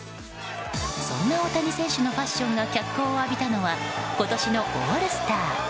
そんな大谷選手のファッションが脚光を浴びたのが今年のオールスター。